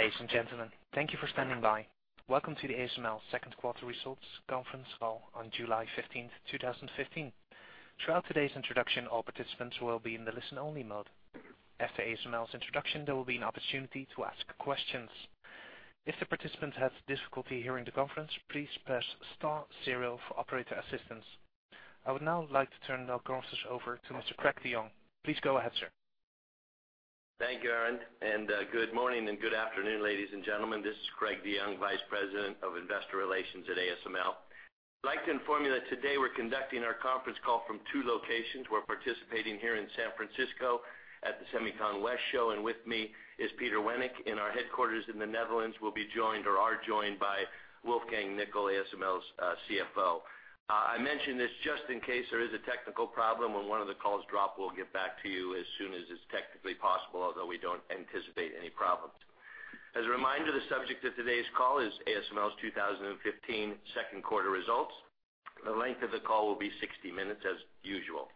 Ladies and gentlemen, thank you for standing by. Welcome to the ASML second quarter results conference call on July 15th, 2015. Throughout today's introduction, all participants will be in the listen-only mode. After ASML's introduction, there will be an opportunity to ask questions. If the participant has difficulty hearing the conference, please press star zero for operator assistance. I would now like to turn the conference over to Mr. Craig DeYoung. Please go ahead, sir. Thank you, Aaron. Good morning and good afternoon, ladies and gentlemen. This is Craig DeYoung, Vice President of Investor Relations at ASML. I'd like to inform you that today we're conducting our conference call from two locations. We're participating here in San Francisco at the SEMICON West show, and with me is Peter Wennink. In our headquarters in the Netherlands, we'll be joined or are joined by Wolfgang Nickl, ASML's CFO. I mention this just in case there is a technical problem. When one of the calls drop, we'll get back to you as soon as is technically possible, although we don't anticipate any problems. As a reminder, the subject of today's call is ASML's 2015 second quarter results. The length of the call will be 60 minutes as usual.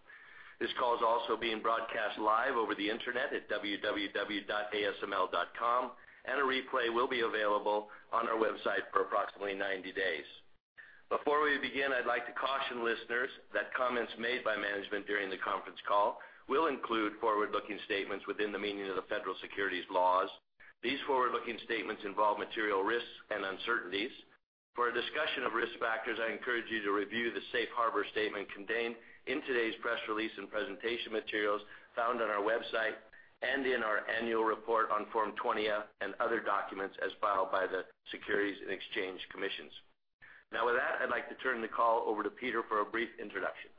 This call is also being broadcast live over the internet at www.asml.com. A replay will be available on our website for approximately 90 days. Before we begin, I'd like to caution listeners that comments made by management during the conference call will include forward-looking statements within the meaning of the federal securities laws. These forward-looking statements involve material risks and uncertainties. For a discussion of risk factors, I encourage you to review the safe harbor statement contained in today's press release and presentation materials found on our website and in our annual report on Form 20-F and other documents as filed by the Securities and Exchange Commission. Now with that, I'd like to turn the call over to Peter for a brief introduction.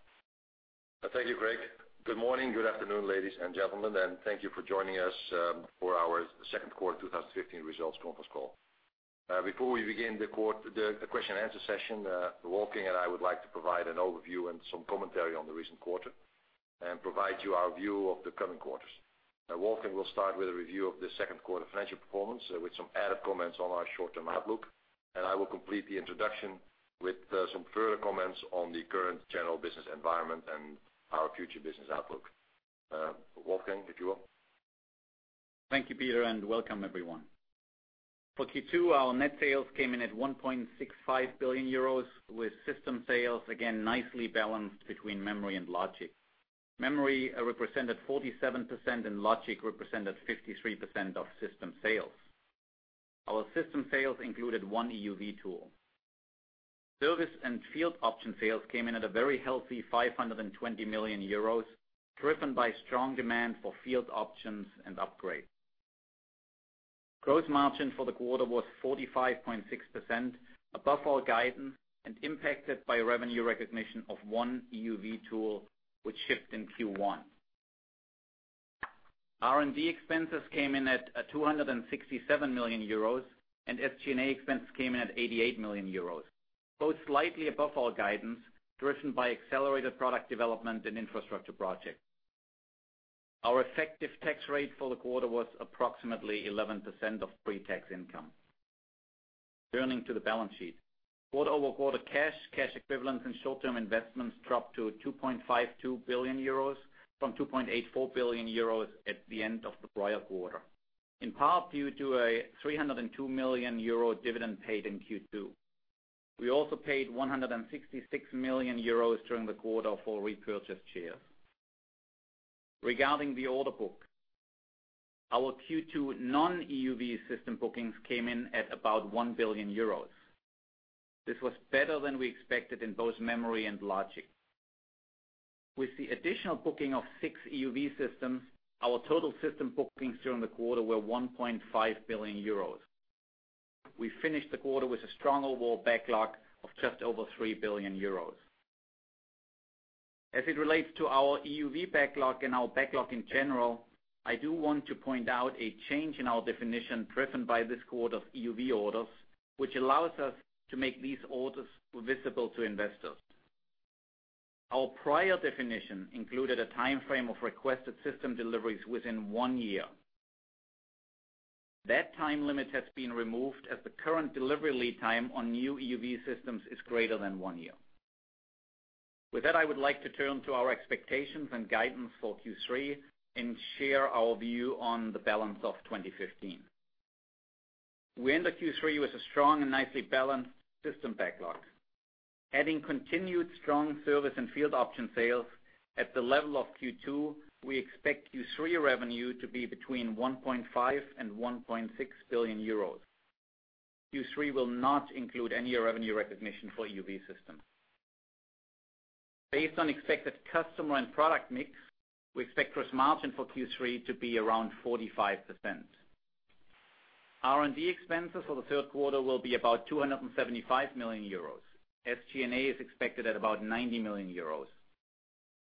Thank you, Craig. Good morning, good afternoon, ladies and gentlemen. Thank you for joining us for our second quarter 2015 results conference call. Before we begin the question and answer session, Wolfgang and I would like to provide an overview and some commentary on the recent quarter and provide you our view of the coming quarters. Wolfgang will start with a review of the second quarter financial performance with some added comments on our short-term outlook. I will complete the introduction with some further comments on the current general business environment and our future business outlook. Wolfgang, if you will. Thank you, Peter, and welcome everyone. For Q2, our net sales came in at 1.65 billion euros with system sales again nicely balanced between memory and logic. Memory represented 47% and logic represented 53% of system sales. Our system sales included one EUV tool. Service and field option sales came in at a very healthy 520 million euros, driven by strong demand for field options and upgrades. Gross margin for the quarter was 45.6%, above our guidance and impacted by revenue recognition of one EUV tool, which shipped in Q1. R&D expenses came in at 267 million euros and SG&A expenses came in at 88 million euros. Both slightly above our guidance, driven by accelerated product development and infrastructure projects. Our effective tax rate for the quarter was approximately 11% of pre-tax income. Turning to the balance sheet. Quarter-over-quarter cash equivalents, and short-term investments dropped to 2.52 billion euros from 2.84 billion euros at the end of the prior quarter, in part due to a 302 million euro dividend paid in Q2. We also paid 166 million euros during the quarter for repurchased shares. Regarding the order book, our Q2 non-EUV system bookings came in at about 1 billion euros. This was better than we expected in both memory and logic. With the additional booking of six EUV systems, our total system bookings during the quarter were 1.5 billion euros. We finished the quarter with a strong overall backlog of just over 3 billion euros. As it relates to our EUV backlog and our backlog in general, I do want to point out a change in our definition driven by this quarter of EUV orders, which allows us to make these orders visible to investors. Our prior definition included a timeframe of requested system deliveries within one year. That time limit has been removed as the current delivery lead time on new EUV systems is greater than one year. With that, I would like to turn to our expectations and guidance for Q3 and share our view on the balance of 2015. We end the Q3 with a strong and nicely balanced system backlog. Adding continued strong service and field option sales at the level of Q2, we expect Q3 revenue to be between 1.5 and 1.6 billion euros. Q3 will not include any revenue recognition for EUV systems. Based on expected customer and product mix, we expect gross margin for Q3 to be around 45%. R&D expenses for the third quarter will be about 275 million euros. SG&A is expected at about 90 million euros.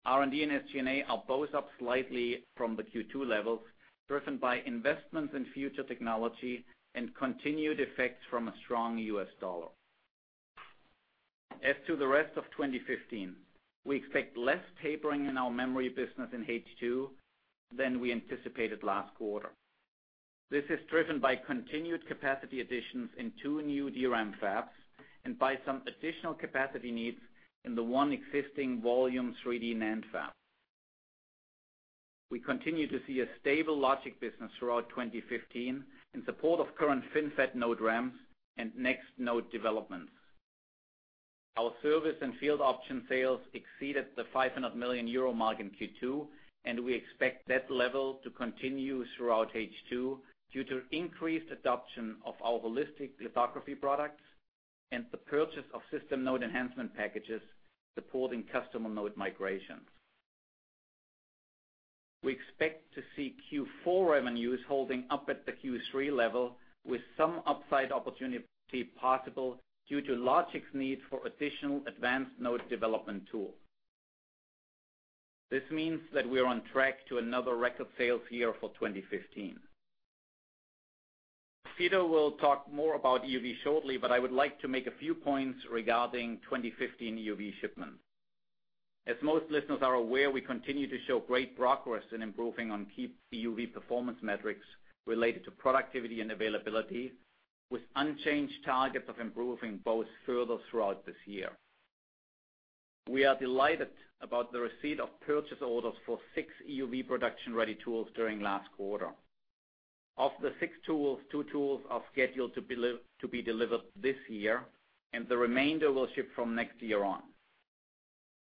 R&D and SG&A are both up slightly from the Q2 levels, driven by investments in future technology and continued effects from a strong US dollar. As to the rest of 2015, we expect less tapering in our memory business in H2 than we anticipated last quarter. This is driven by continued capacity additions in two new DRAM fabs, and by some additional capacity needs in the one existing volume 3D NAND fab. We continue to see a stable logic business throughout 2015 in support of current FinFET node DRAMs and next node developments. Our service and field option sales exceeded the 500 million euro mark in Q2, and we expect that level to continue throughout H2 due to increased adoption of our Holistic Lithography products and the purchase of system node enhancement packages supporting customer node migrations. We expect to see Q4 revenues holding up at the Q3 level with some upside opportunity possible due to logic's need for additional advanced node development tools. This means that we are on track to another record sales year for 2015. Peter will talk more about EUV shortly, but I would like to make a few points regarding 2015 EUV shipments. As most listeners are aware, we continue to show great progress in improving on key EUV performance metrics related to productivity and availability, with unchanged targets of improving both further throughout this year. We are delighted about the receipt of purchase orders for 6 EUV production-ready tools during last quarter. Of the 6 tools, 2 tools are scheduled to be delivered this year, and the remainder will ship from next year on.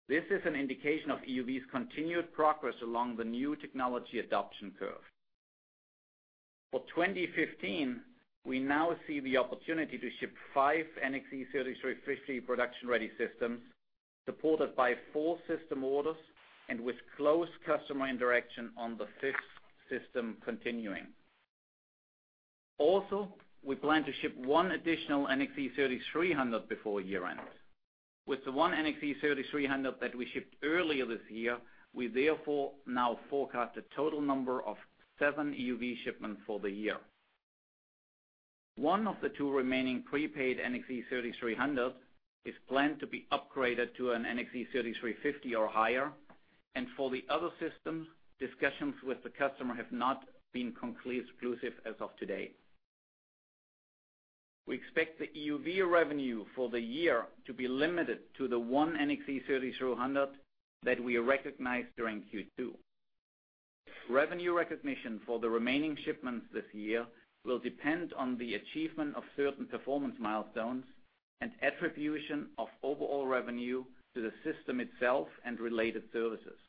This is an indication of EUV's continued progress along the new technology adoption curve. For 2015, we now see the opportunity to ship 5 NXE:3350 production-ready systems, supported by 4 system orders and with close customer interaction on the fifth system continuing. Also, we plan to ship 1 additional NXE:3300 before year-end. With the 1 NXE:3300 that we shipped earlier this year, we therefore now forecast a total number of 7 EUV shipments for the year. 1 of the 2 remaining prepaid NXE:3300 is planned to be upgraded to an NXE:3350 or higher, and for the other system, discussions with the customer have not been conclusive as of today. We expect the EUV revenue for the year to be limited to the 1 NXE:3300 that we recognized during Q2. Revenue recognition for the remaining shipments this year will depend on the achievement of certain performance milestones and attribution of overall revenue to the system itself and related services.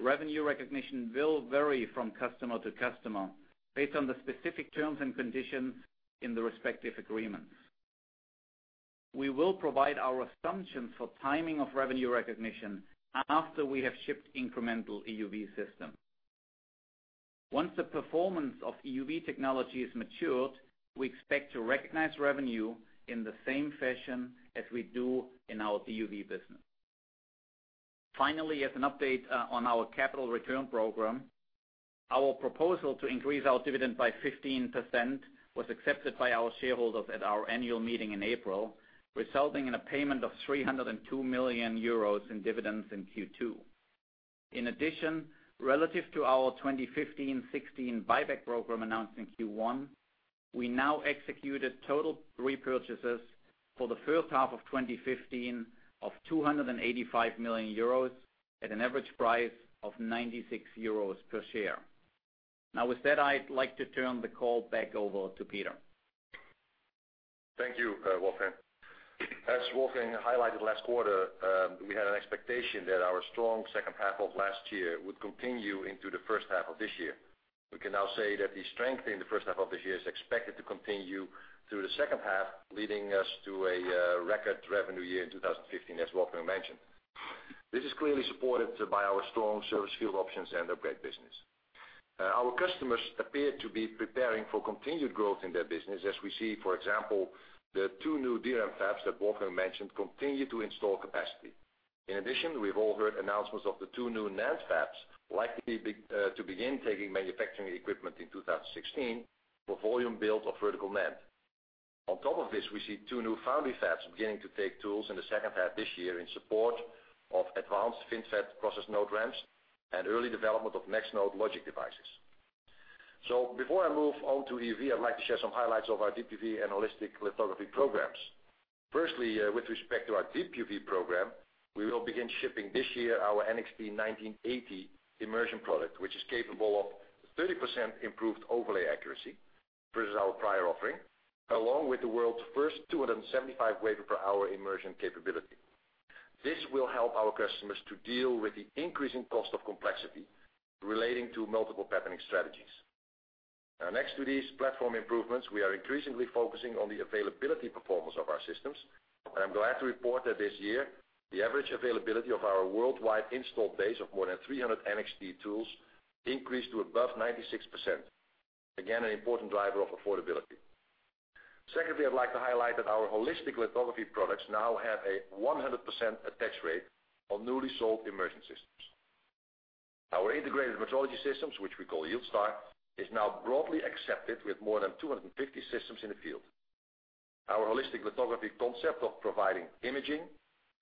Revenue recognition will vary from customer to customer based on the specific terms and conditions in the respective agreements. We will provide our assumptions for timing of revenue recognition after we have shipped incremental EUV systems. Once the performance of EUV technology is matured, we expect to recognize revenue in the same fashion as we do in our DUV business. Finally, as an update on our capital return program, our proposal to increase our dividend by 15% was accepted by our shareholders at our annual meeting in April, resulting in a payment of 302 million euros in dividends in Q2. In addition, relative to our 2015, 2016 buyback program announced in Q1, we now executed total repurchases for the first half of 2015 of 285 million euros at an average price of 96 euros per share. Now with that, I'd like to turn the call back over to Peter. Thank you, Wolfgang. As Wolfgang highlighted last quarter, we had an expectation that our strong second half of last year would continue into the first half of this year. We can now say that the strength in the first half of this year is expected to continue through the second half, leading us to a record revenue year in 2015, as Wolfgang mentioned. This is clearly supported by our strong service field options and upgrade business. Our customers appear to be preparing for continued growth in their business. As we see, for example, the two new DRAM fabs that Wolfgang mentioned continue to install capacity. In addition, we've all heard announcements of the 2 new NAND fabs likely to begin taking manufacturing equipment in 2016 for volume build of Vertical NAND. On top of this, we see two new foundry fabs beginning to take tools in the second half this year in support of advanced FinFET process node ramps and early development of next node logic devices. Before I move on to EUV, I'd like to share some highlights of our Deep UV and holistic lithography programs. Firstly, with respect to our Deep UV program, we will begin shipping this year our NXT:1980i immersion product, which is capable of 30% improved overlay accuracy versus our prior offering, along with the world's first 275 wafer per hour immersion capability. This will help our customers to deal with the increasing cost of complexity relating to multiple patterning strategies. Next to these platform improvements, we are increasingly focusing on the availability performance of our systems. I'm glad to report that this year, the average availability of our worldwide installed base of more than 300 NXT tools increased to above 96%. Again, an important driver of affordability. Secondly, I'd like to highlight that our holistic lithography products now have a 100% attach rate on newly sold immersion systems. Our integrated metrology systems, which we call YieldStar, is now broadly accepted with more than 250 systems in the field. Our holistic lithography concept of providing imaging,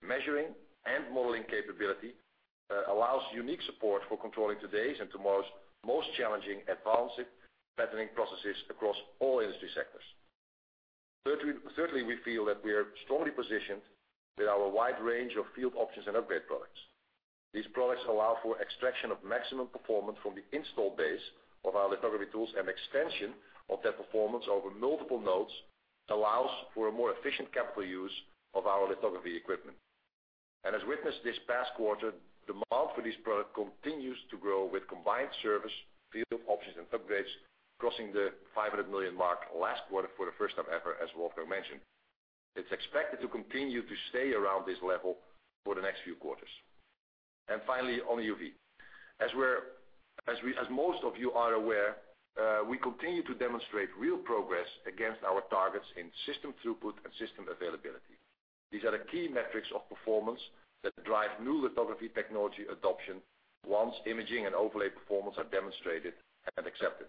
measuring, and modeling capability allows unique support for controlling today's and tomorrow's most challenging advanced patterning processes across all industry sectors. Thirdly, we feel that we are strongly positioned with our wide range of field options and upgrade products. These products allow for extraction of maximum performance from the install base of our lithography tools, and extension of that performance over multiple nodes allows for a more efficient capital use of our lithography equipment. As witnessed this past quarter, demand for this product continues to grow, with combined service, field options, and upgrades crossing the 500 million mark last quarter for the first time ever, as Wolfgang mentioned. It's expected to continue to stay around this level for the next few quarters. Finally, on EUV. As most of you are aware, we continue to demonstrate real progress against our targets in system throughput and system availability. These are the key metrics of performance that drive new lithography technology adoption once imaging and overlay performance are demonstrated and accepted.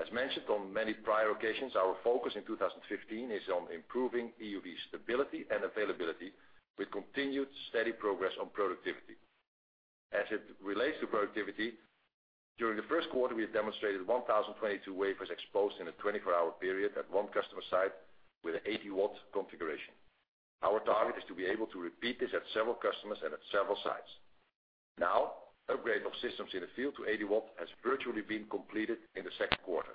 As mentioned on many prior occasions, our focus in 2015 is on improving EUV stability and availability with continued steady progress on productivity. As it relates to productivity, during the first quarter, we have demonstrated 1,022 wafers exposed in a 24-hour period at one customer site with an 80-watt configuration. Our target is to be able to repeat this at several customers and at several sites. Upgrade of systems in the field to 80 watts has virtually been completed in the second quarter.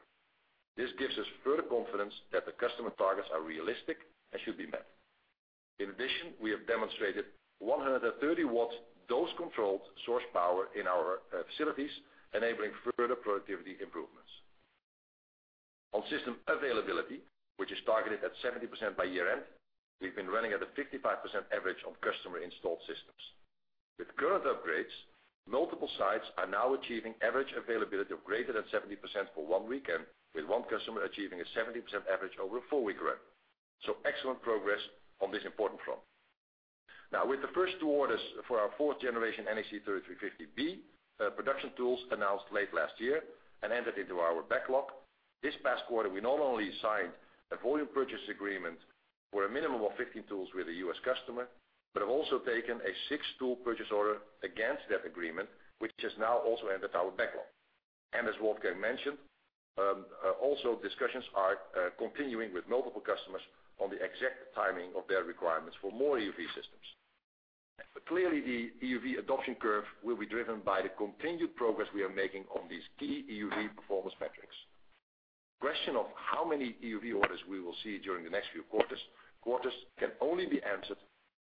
This gives us further confidence that the customer targets are realistic and should be met. In addition, we have demonstrated 130 watts dose-controlled source power in our facilities, enabling further productivity improvements. On system availability, which is targeted at 70% by year-end, we've been running at a 55% average on customer-installed systems. With current upgrades, multiple sites are now achieving average availability of greater than 70% for one week, with one customer achieving a 70% average over a four-week run. Excellent progress on this important front. With the first two orders for our fourth generation NXE:3350B production tools announced late last year and entered into our backlog, this past quarter we not only signed a volume purchase agreement for a minimum of 15 tools with a U.S. customer, but have also taken a six-tool purchase order against that agreement, which has now also entered our backlog. As Wolfgang mentioned, also discussions are continuing with multiple customers on the exact timing of their requirements for more EUV systems. Clearly the EUV adoption curve will be driven by the continued progress we are making on these key EUV performance metrics. Question of how many EUV orders we will see during the next few quarters can only be answered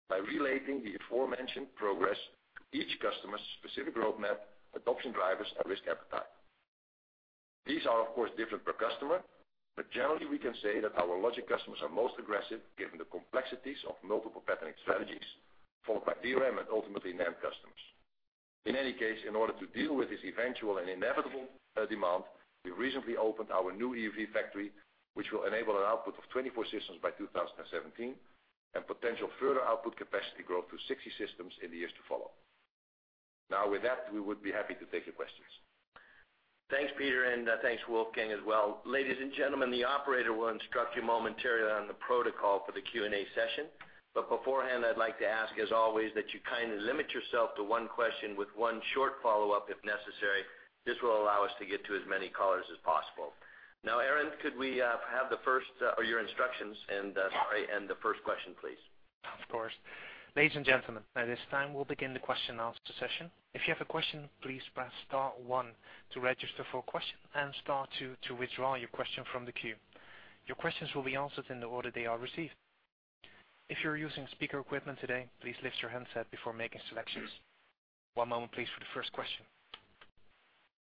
by relating the aforementioned progress to each customer's specific roadmap, adoption drivers, and risk appetite. These are, of course, different per customer, but generally we can say that our logic customers are most aggressive given the complexities of multiple patterning strategies, followed by DRAM and ultimately NAND customers. In any case, in order to deal with this eventual and inevitable demand, we recently opened our new EUV factory, which will enable an output of 24 systems by 2017 and potential further output capacity growth to 60 systems in the years to follow. With that, we would be happy to take your questions. Thanks, Peter, and thanks, Wolfgang, as well. Ladies and gentlemen, the operator will instruct you momentarily on the protocol for the Q&A session. Beforehand, I'd like to ask, as always, that you kindly limit yourself to one question with one short follow-up if necessary. This will allow us to get to as many callers as possible. Aaron, could we have your instructions and the first question, please? Of course. Ladies and gentlemen, at this time we'll begin the question and answer session. If you have a question, please press star one to register for a question and star two to withdraw your question from the queue. Your questions will be answered in the order they are received. If you're using speaker equipment today, please lift your handset before making selections. One moment please for the first question.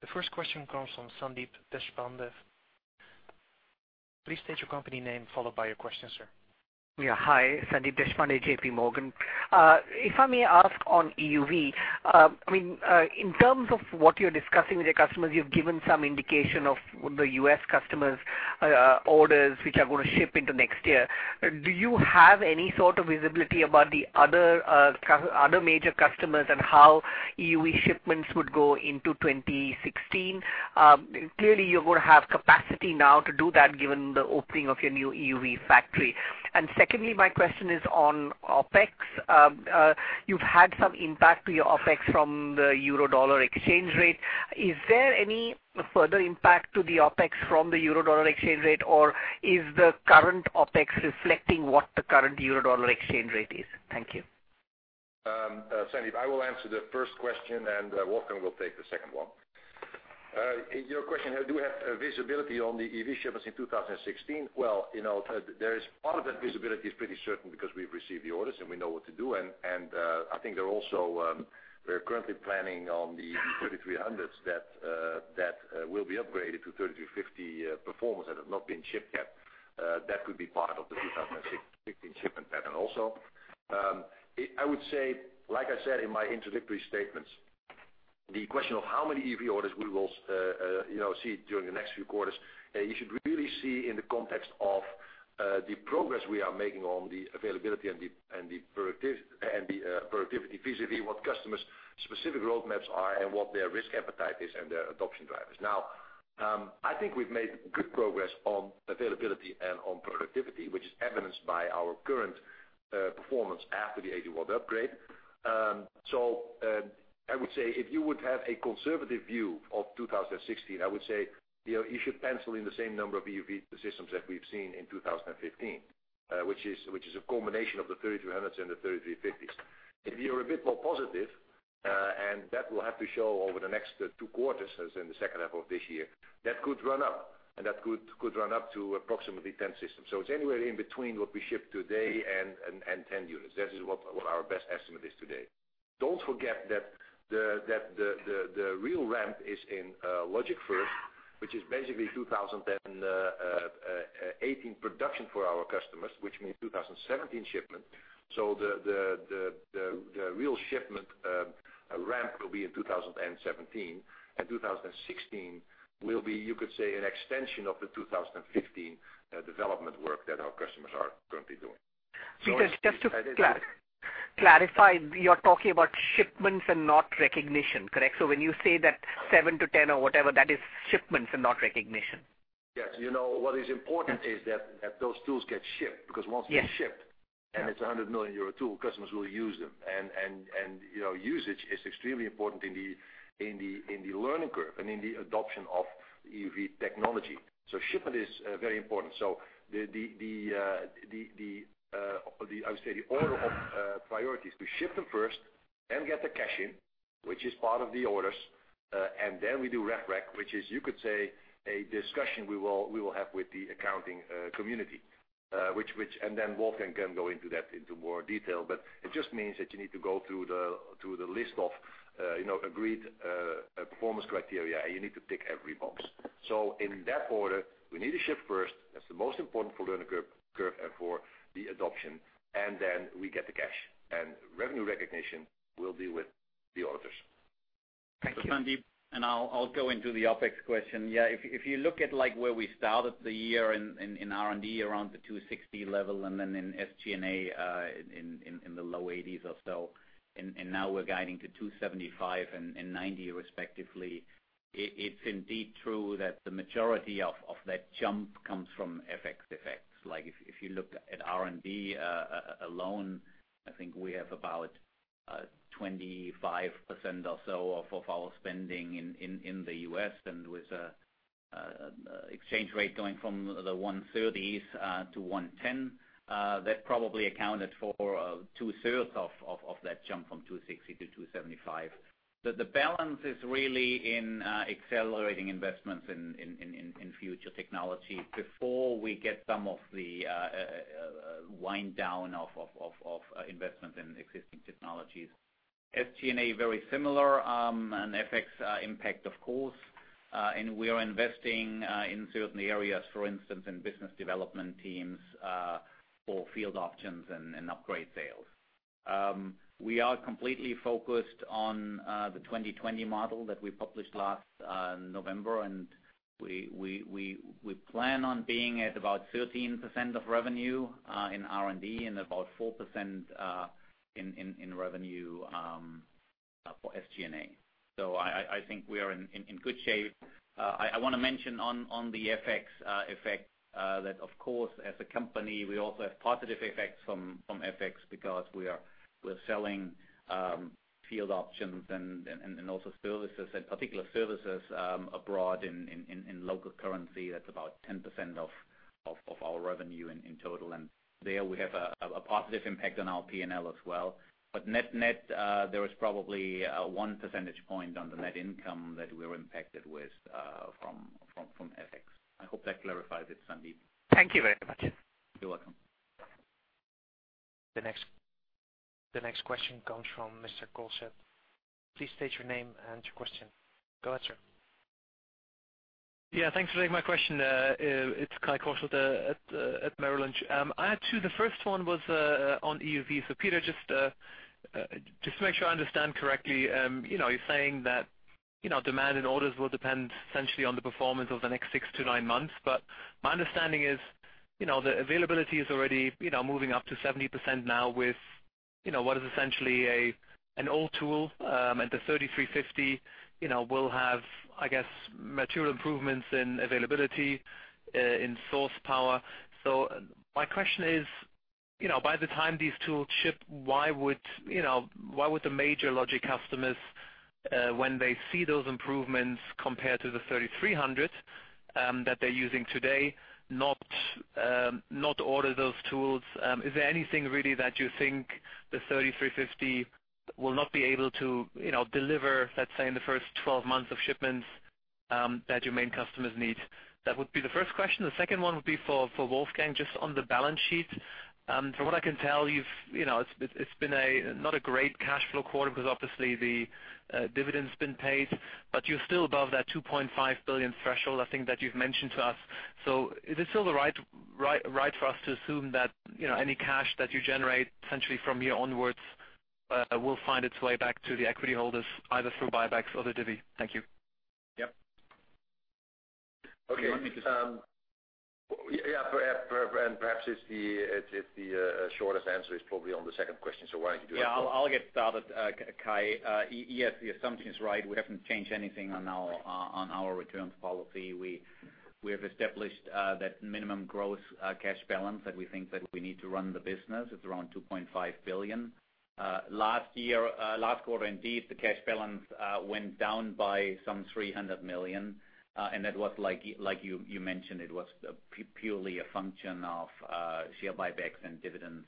The first question comes from Sandeep Deshpande. Please state your company name followed by your question, sir. Yeah. Hi, Sandeep Deshpande, JPMorgan. If I may ask on EUV, in terms of what you're discussing with your customers, you've given some indication of the U.S. customers' orders, which are going to ship into next year. Do you have any sort of visibility about the other major customers and how EUV shipments would go into 2016? Clearly, you're going to have capacity now to do that given the opening of your new EUV factory. Secondly, my question is on OpEx. You've had some impact to your OpEx from the euro-dollar exchange rate. Is there any further impact to the OpEx from the euro-dollar exchange rate, or is the current OpEx reflecting what the current euro-dollar exchange rate is? Thank you. Sandeep, I will answer the first question. Wolfgang will take the second one. Your question, do we have visibility on the EUV shipments in 2016? Well, part of that visibility is pretty certain because we've received the orders, and we know what to do, and I think they're currently planning on the 3300s that will be upgraded to 3350 performance that have not been shipped yet. That could be part of the 2016 shipment pattern also. I would say, like I said in my introductory statements, the question of how many EUV orders we will see during the next few quarters, you should really see in the context of the progress we are making on the availability and the productivity, vis-à-vis what customers' specific roadmaps are and what their risk appetite is and their adoption drivers. I think we've made good progress on availability and on productivity, which is evidenced by our current performance after the 80-watt upgrade. I would say, if you would have a conservative view of 2016, I would say, you should pencil in the same number of EUV systems that we've seen in 2015, which is a combination of the 3300s and the 3350s. If you're a bit more positive, and that will have to show over the next two quarters, as in the second half of this year. That could run up, and that could run up to approximately 10 systems. It's anywhere in between what we ship today and 10 units. That is what our best estimate is today. Don't forget that the real ramp is in logic first, which is basically 2018 production for our customers, which means 2017 shipment. The real shipment ramp will be in 2017. 2016 will be, you could say, an extension of the 2015 development work that our customers are currently doing. Peter, just to clarify, you're talking about shipments and not recognition, correct? When you say that 7 to 10 or whatever, that is shipments and not recognition. Yes. What is important is that those tools get shipped. Once they're shipped, and it's a 100 million euro tool, customers will use them. Usage is extremely important in the learning curve and in the adoption of EUV technology. Shipment is very important. I would say the order of priority is to ship them first, then get the cash in, which is part of the orders, then we do rev rec, which is, you could say, a discussion we will have with the accounting community. Wolfgang can go into that into more detail. It just means that you need to go through the list of agreed performance criteria, and you need to tick every box. In that order, we need to ship first. That's the most important for learning curve and for the adoption, and then we get the cash. Revenue recognition will be with the auditors. Thank you. Sandeep, I'll go into the OpEx question. If you look at where we started the year in R&D around the 260 level, then in SG&A, in the low EUR 80s or so, now we're guiding to 275 and 90 respectively. It's indeed true that the majority of that jump comes from FX effects. If you look at R&D alone, I think we have about 25% or so of our spending in the U.S., with exchange rate going from the 130s to 110. That probably accounted for two-thirds of that jump from 260 to 275. The balance is really in accelerating investments in future technology before we get some of the wind down of investment in existing technologies. SG&A, very similar, an FX impact, of course. We are investing in certain areas, for instance, in business development teams for field options and upgrade sales. We are completely focused on the 2020 model that we published last November, we plan on being at about 13% of revenue in R&D and about 4% in revenue for SG&A. I think we are in good shape. I want to mention on the FX effect that, of course, as a company, we also have positive effects from FX because we're selling field options and also services, and particular services abroad in local currency. That's about 10% of our revenue in total. There we have a positive impact on our P&L as well. Net, there is probably one percentage point on the net income that we were impacted with from FX. I hope that clarifies it, Sandeep. Thank you very much. You're welcome. The next question comes from Mr. Kolsaat. Please state your name and your question. Go ahead, sir. Yeah. Thanks for taking my question. It's Kai Kolsaat at Merrill Lynch. I had two. The first one was on EUV. Peter, just to make sure I understand correctly, you're saying that demand and orders will depend essentially on the performance over the next six to nine months. My understanding is the availability is already moving up to 70% now with what is essentially an old tool, and the 3350 will have, I guess, material improvements in availability in source power. My question is, by the time these tools ship, why would the major logic customers, when they see those improvements compared to the 3300 that they're using today, not order those tools? Is there anything really that you think the 3350 will not be able to deliver, let's say, in the first 12 months of shipments that your main customers need? That would be the first question. The second one would be for Wolfgang, just on the balance sheet. From what I can tell, it's been not a great cash flow quarter because obviously the dividend's been paid, but you're still above that 2.5 billion threshold, I think, that you've mentioned to us. Is it still the right for us to assume that any cash that you generate essentially from here onwards will find its way back to the equity holders, either through buybacks or the divvy? Thank you. Yep. Okay. Yeah. Perhaps the shortest answer is probably on the second question, why don't you do that? Yeah, I'll get started, Kai. Yes, the assumption is right. We haven't changed anything on our returns policy. We have established that minimum growth cash balance that we think that we need to run the business. It's around 2.5 billion. Last quarter, indeed, the cash balance went down by some 300 million. Like you mentioned, it was purely a function of share buybacks and dividends.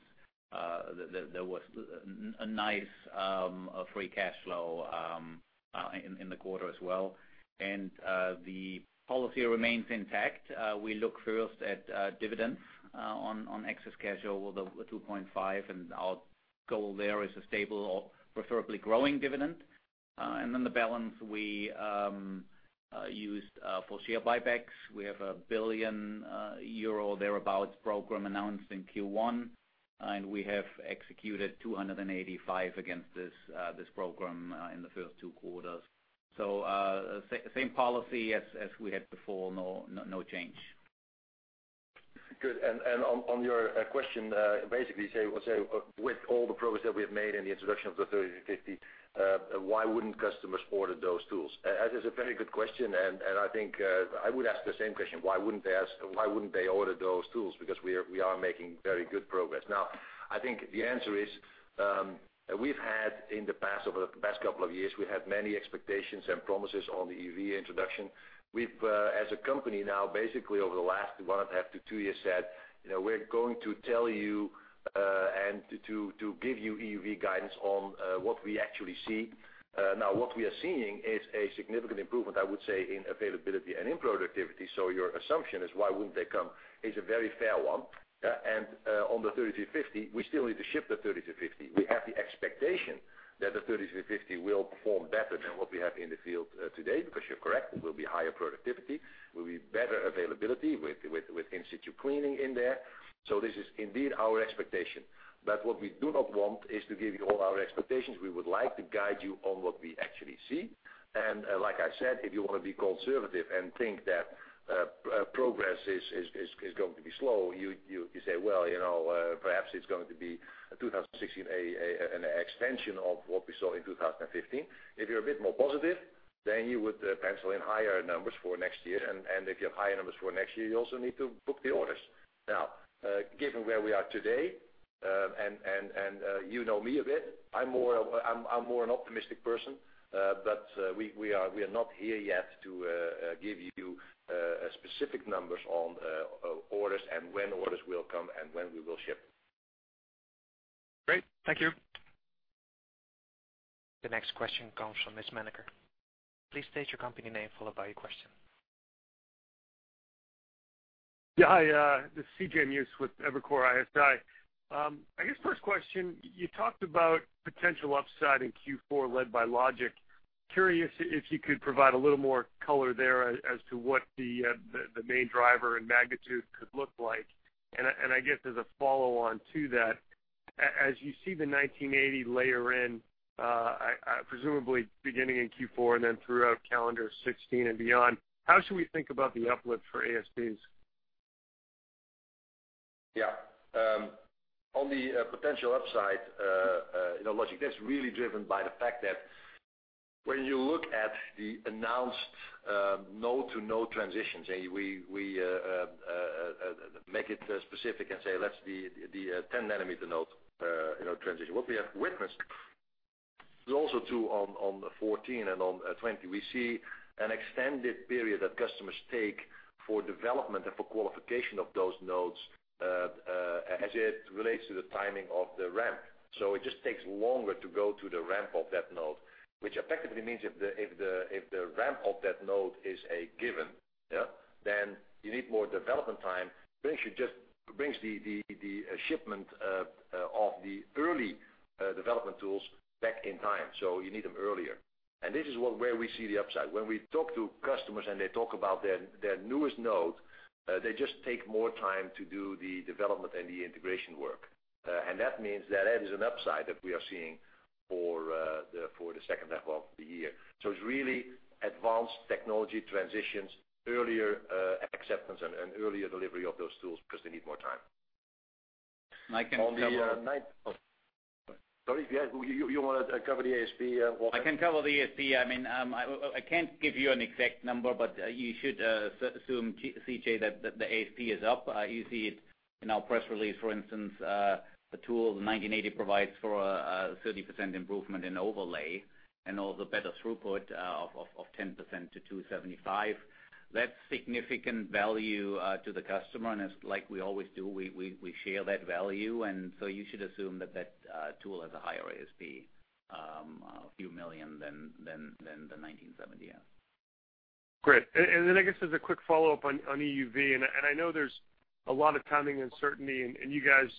There was a nice free cash flow in the quarter as well. The policy remains intact. We look first at dividends on excess cash over the 2.5 billion and our goal there is a stable or preferably growing dividend. Then the balance we used for share buybacks. We have a 1 billion euro, thereabout, program announced in Q1, and we have executed 285 million against this program in the first two quarters. Same policy as we had before. No change. Good. On your question, basically, say with all the progress that we have made in the introduction of the NXE:3350B, why wouldn't customers order those tools? That is a very good question, and I think I would ask the same question. Why wouldn't they order those tools? Because we are making very good progress. I think the answer is, we've had, over the past couple of years, we had many expectations and promises on the EUV introduction. We've, as a company now, basically over the last one and a half to two years said, we're going to tell you, and to give you EUV guidance on what we actually see. What we are seeing is a significant improvement, I would say, in availability and in productivity. Your assumption is why wouldn't they come? It's a very fair one. On the NXE:3350B, we still need to ship the NXE:3350B. We have the expectation that the NXE:3350B will perform better than what we have in the field today because you're correct, it will be higher productivity, will be better availability with in-situ cleaning in there. This is indeed our expectation. What we do not want is to give you all our expectations. We would like to guide you on what we actually see. Like I said, if you want to be conservative and think that progress is going to be slow, you say, well, perhaps 2016 is going to be an extension of what we saw in 2015. If you're a bit more positive, you would pencil in higher numbers for next year. If you have higher numbers for next year, you also need to book the orders. Given where we are today, and you know me a bit, I'm more an optimistic person. We are not here yet to give you specific numbers on orders and when orders will come and when we will ship. Great. Thank you. The next question comes from Muse. Please state your company name, followed by your question. Yeah. Hi, this is C.J. Muse with Evercore ISI. I guess first question, you talked about potential upside in Q4 led by logic. Curious if you could provide a little more color there as to what the main driver and magnitude could look like. I guess as a follow-on to that, as you see the 1980 layer in, presumably beginning in Q4 and then throughout calendar 2016 and beyond, how should we think about the uplift for ASPs? Yeah. On the potential upside in the logic, that's really driven by the fact that when you look at the announced node-to-node transitions, we make it specific and say that's the 10 nanometer node transition. What we have witnessed is also true on the 14 and on 20. We see an extended period that customers take for development and for qualification of those nodes as it relates to the timing of the ramp. It just takes longer to go to the ramp of that node, which effectively means if the ramp of that node is a given, then you need more development time, brings the shipment of the early development tools back in time. You need them earlier. This is where we see the upside. When we talk to customers and they talk about their newest node, they just take more time to do the development and the integration work. That means that is an upside that we are seeing for the second half of the year. It's really advanced technology transitions, earlier acceptance and earlier delivery of those tools because they need more time. I can cover- Sorry, you want to cover the ASP, Wolfgang? I can cover the ASP. I can't give you an exact number, but you should assume, C.J., that the ASP is up. You see it in our press release, for instance, the tool, the 1980 provides for a 30% improvement in overlay and all the better throughput of 10% to 275. That's significant value to the customer, and as like we always do, we share that value, and so you should assume that tool has a higher ASP, a few million than the 1970, yeah. Great. I guess as a quick follow-up on EUV, I know there's a lot of timing uncertainty, and you guys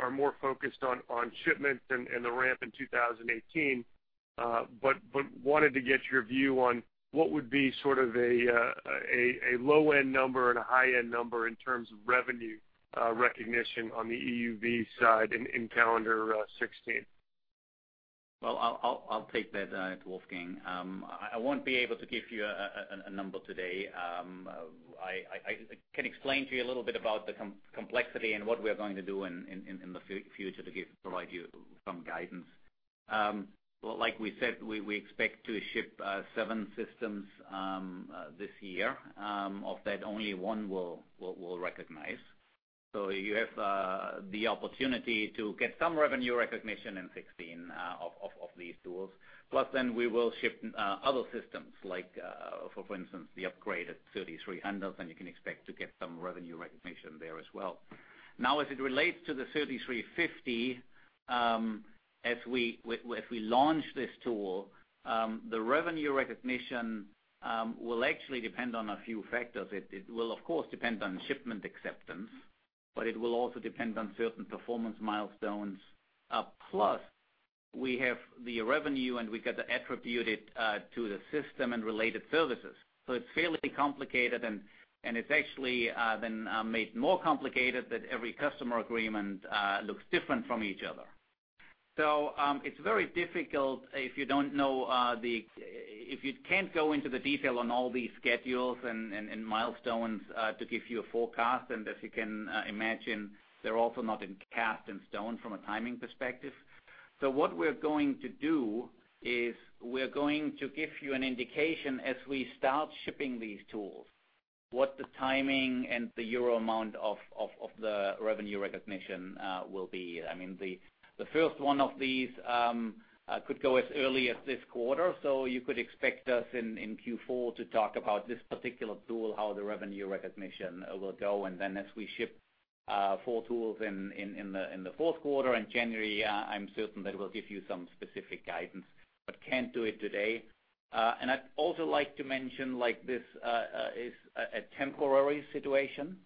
are more focused on shipments and the ramp in 2018. Wanted to get your view on what would be sort of a low-end number and a high-end number in terms of revenue recognition on the EUV side in calendar 2016. Well, I'll take that, it's Wolfgang. I won't be able to give you a number today. I can explain to you a little bit about the complexity and what we are going to do in the future to provide you some guidance. Like we said, we expect to ship seven systems this year. Of that, only one we'll recognize. You have the opportunity to get some revenue recognition in 2016 of these tools. We will ship other systems like, for instance, the upgraded 3300, and you can expect to get some revenue recognition there as well. As it relates to the 3350, as we launch this tool, the revenue recognition will actually depend on a few factors. It will, of course, depend on shipment acceptance, but it will also depend on certain performance milestones. We have the revenue, and we got to attribute it to the system and related services. It's fairly complicated, and it's actually then made more complicated that every customer agreement looks different from each other. It's very difficult if you can't go into the detail on all these schedules and milestones to give you a forecast. As you can imagine, they're also not in cast in stone from a timing perspective. What we're going to do is we're going to give you an indication as we start shipping these tools, what the timing and the EUR amount of the revenue recognition will be. The first one of these could go as early as this quarter. You could expect us in Q4 to talk about this particular tool, how the revenue recognition will go, as we ship four tools in the fourth quarter and January, I'm certain that we'll give you some specific guidance, can't do it today. I'd also like to mention, this is a temporary situation.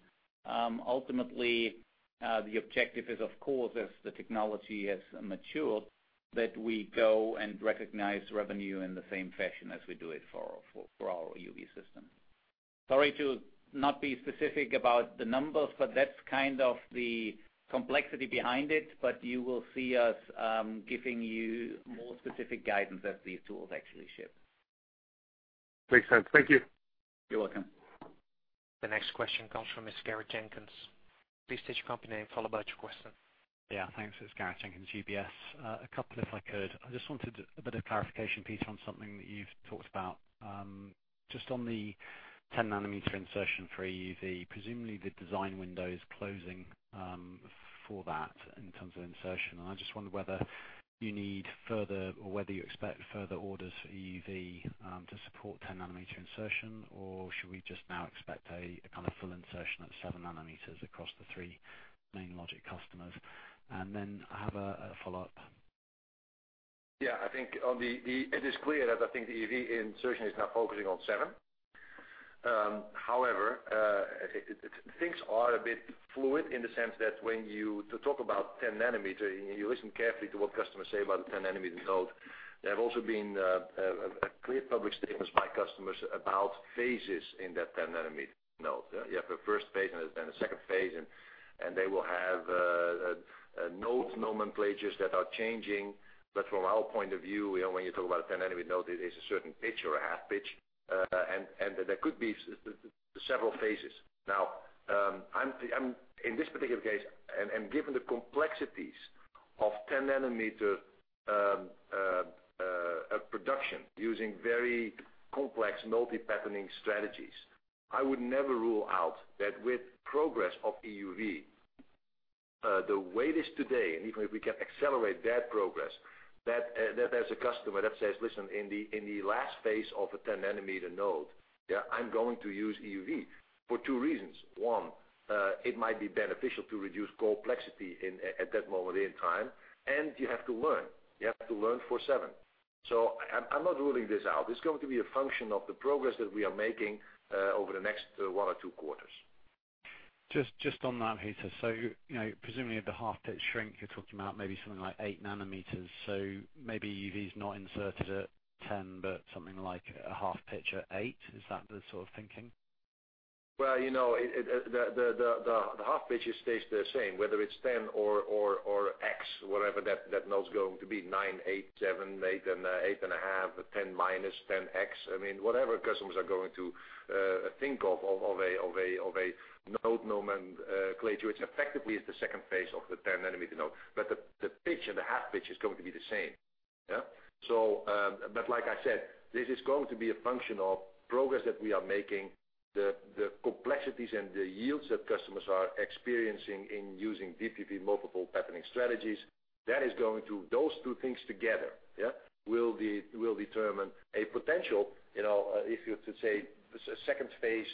Ultimately, the objective is, of course, as the technology has matured, that we go and recognize revenue in the same fashion as we do it for our EUV system. Sorry to not be specific about the numbers, that's kind of the complexity behind it, you will see us giving you more specific guidance as these tools actually ship. Makes sense. Thank you. You're welcome. The next question comes from Mr. Gareth Jenkins. Please state your company and follow by your question. Yeah. Thanks. It's Gareth Jenkins, UBS. A couple if I could. I just wanted a bit of clarification, Peter, on something that you've talked about. Just on the 10 nanometer insertion for EUV, presumably the design window is closing for that in terms of insertion. I just wonder whether you need further, or whether you expect further orders for EUV to support 10 nanometer insertion, or should we just now expect a kind of full insertion at seven nanometers across the three main logic customers? Then I have a follow-up. It is clear that I think the EUV insertion is now focusing on seven. However, things are a bit fluid in the sense that when you talk about 10 nanometer, you listen carefully to what customers say about the 10 nanometer node. There have also been clear public statements by customers about phases in that 10 nanometer node. You have a first phase and a second phase, and they will have node nomenclature that are changing. From our point of view, when you talk about a 10 nanometer node, it is a certain pitch or a half-pitch, and that there could be several phases. In this particular case, and given the complexities of 10 nanometer production using very complex multiple patterning strategies, I would never rule out that with progress of EUV, the way it is today, and even if we can accelerate that progress, that there's a customer that says, "Listen, in the last phase of a 10 nanometer node, I'm going to use EUV for two reasons. One, it might be beneficial to reduce complexity at that moment in time, and you have to learn. You have to learn for 7." I'm not ruling this out. It's going to be a function of the progress that we are making over the next one or two quarters. Just on that, Peter. Presumably the half-pitch shrink you're talking about maybe something like eight nanometers. Maybe EUV's not inserted at 10, but something like a half-pitch at eight. Is that the sort of thinking? The half-pitch stays the same, whether it's 10 or X, whatever that node's going to be, nine, eight, seven, eight, and eight and a half, 10 minus, 10 X. Whatever customers are going to think of a node nomenclature, which effectively is the second phase of the 10 nanometer node. The pitch and the half-pitch is going to be the same. Like I said, this is going to be a function of progress that we are making, the complexities and the yields that customers are experiencing in using DUV multiple patterning strategies. Those two things together will determine a potential, if you were to say, second-phase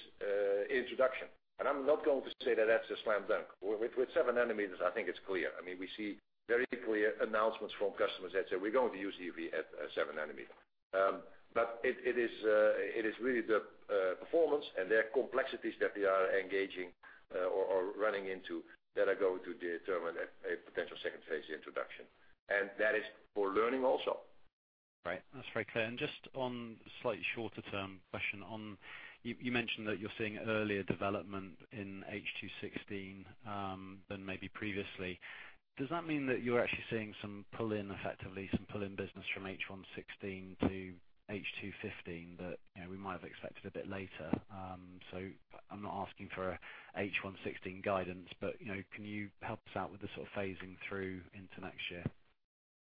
introduction. I'm not going to say that that's a slam dunk. With seven nanometers, I think it's clear. We see very clear announcements from customers that say, "We're going to use EUV at seven nanometer." It is really the performance and their complexities that we are engaging or running into that are going to determine a potential second-phase introduction. That is for learning also. Great. That's very clear. Just on slightly shorter-term question, you mentioned that you're seeing earlier development in H2 2016 than maybe previously. Does that mean that you're actually seeing some pull-in, effectively, some pull-in business from H1 2016 to H2 2015 that we might have expected a bit later? I'm not asking for H1 2016 guidance, but can you help us out with the sort of phasing through into next year?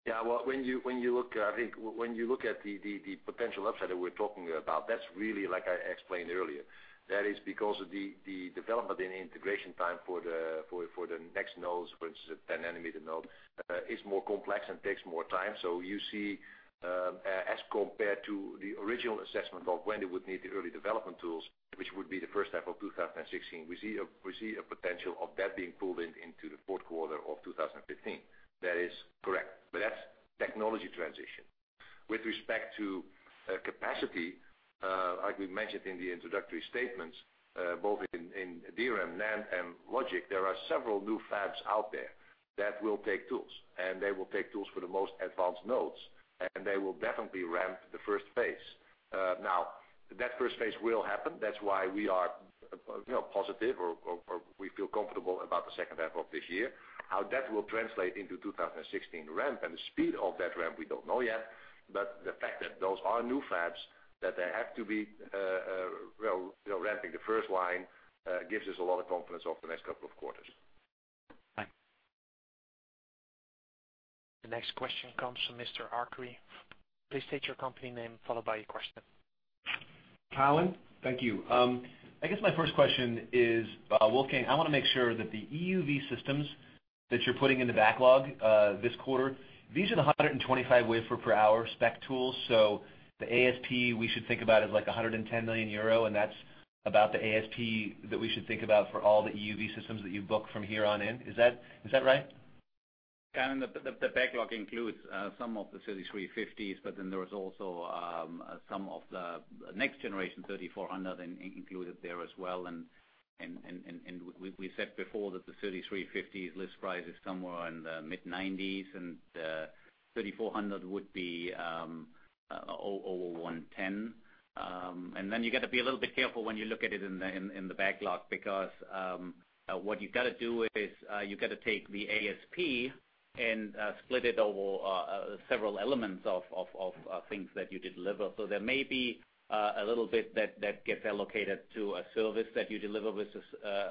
When you look at the potential upside that we're talking about, that's really like I explained earlier. That is because of the development and the integration time for the next nodes, for instance, the 10 nanometer node, is more complex and takes more time. You see, as compared to the original assessment of when they would need the early development tools, which would be the first half of 2016, we see a potential of that being pulled into the fourth quarter of 2015. That is correct. That's technology transition. With respect to capacity, like we mentioned in the introductory statements, both in DRAM, NAND, and logic, there are several new fabs out there that will take tools, and they will take tools for the most advanced nodes, and they will definitely ramp the first phase. That first phase will happen. That's why we are positive, or we feel comfortable about the second half of this year. How that will translate into 2016 ramp and the speed of that ramp, we don't know yet. The fact that those are new fabs, that they have to be ramping the first line, gives us a lot of confidence over the next couple of quarters. Thanks. The next question comes from Mr. Arcuri. Please state your company name, followed by your question. Cowen, thank you. I guess my first question is, Wolfgang, I want to make sure that the EUV systems that you're putting in the backlog this quarter, these are the 125 wafer per hour spec tools. The ASP we should think about is like 110 million euro, and that's about the ASP that we should think about for all the EUV systems that you book from here on in. Is that right? Colin, the backlog includes some of the 3350s, there is also some of the next generation 3400 included there as well. We said before that the 3350s list price is somewhere in the mid EUR 90s, 3400 would be over 110. You got to be a little bit careful when you look at it in the backlog because, what you got to do is, you got to take the ASP and split it over several elements of things that you deliver. There may be a little bit that gets allocated to a service that you deliver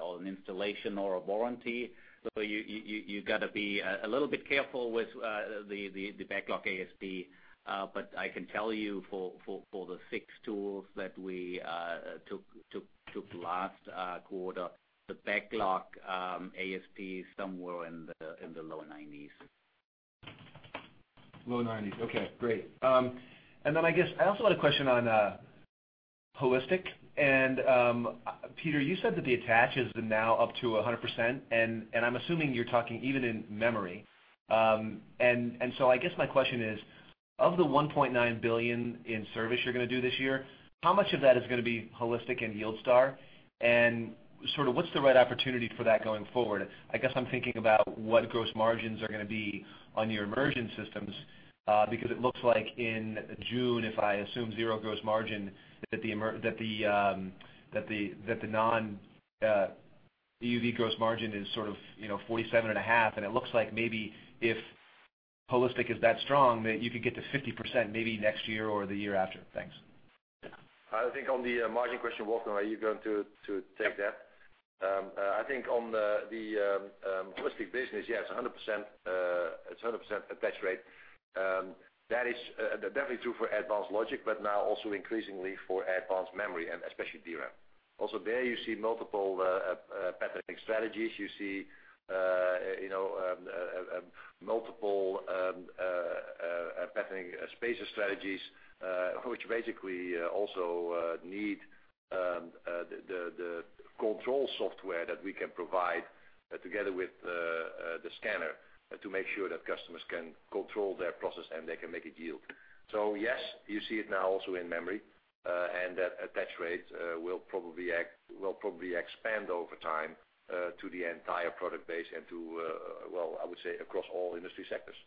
or an installation or a warranty. You got to be a little bit careful with the backlog ASP. I can tell you for the six tools that we took last quarter, the backlog ASP is somewhere in the low EUR 90s. Low EUR 90s. Okay, great. I guess I also had a question on Holistic. Peter, you said that the attach is now up to 100%, I'm assuming you're talking even in memory. I guess my question is, of the 1.9 billion in service you're going to do this year, how much of that is going to be Holistic and YieldStar? What's the right opportunity for that going forward? I guess I'm thinking about what gross margins are going to be on your immersion systems, it looks like in June, if I assume zero gross margin, that the non-EUV gross margin is sort of 47.5%. It looks like maybe if Holistic is that strong, that you could get to 50% maybe next year or the year after. Thanks. I think on the margin question, Wolfgang, are you going to take that? I think on the Holistic business, yeah, it's 100% attach rate. That is definitely true for advanced logic, but now also increasingly for advanced memory and especially DRAM. Also there you see multiple patterning strategies. You see multiple patterning spacer strategies, which basically also need the control software that we can provide together with the scanner to make sure that customers can control their process, and they can make a yield. Yes, you see it now also in memory, and that attach rate will probably expand over time to the entire product base and to, well, I would say across all industry sectors.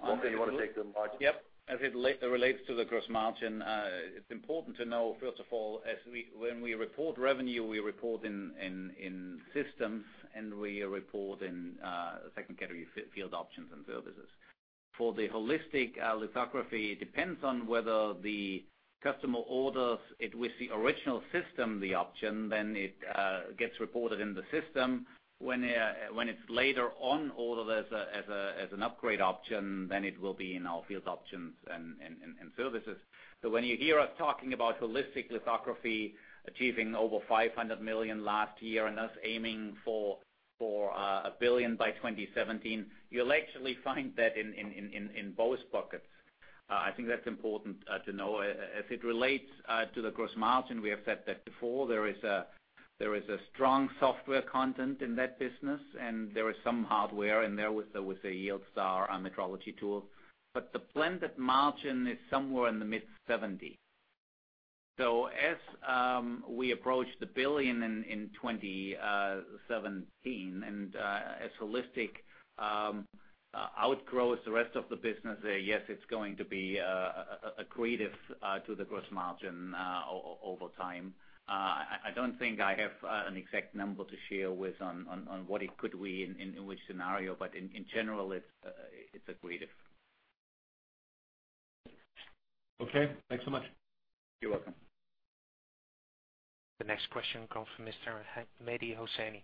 Wolfgang, you want to take the margin? Yep. As it relates to the gross margin, it's important to know, first of all, when we report revenue, we report in systems, and we report in second category field options and services. For the holistic lithography, it depends on whether the customer orders it with the original system, the option, then it gets reported in the system. When it's later on ordered as an upgrade option, then it will be in our field options and services. When you hear us talking about holistic lithography achieving over 500 million last year and us aiming for 1 billion by 2017, you'll actually find that in both buckets. I think that's important to know. As it relates to the gross margin, we have said that before. There is a strong software content in that business, and there is some hardware in there with the YieldStar metrology tool. The blended margin is somewhere in the mid 70%. As we approach 1 billion in 2017 and as holistic lithography outgrows the rest of the business, yes, it's going to be accretive to the gross margin over time. I don't think I have an exact number to share with on what it could be in which scenario, but in general, it's accretive. Okay. Thanks so much. You're welcome. The next question comes from Mr. Mehdi Hosseini.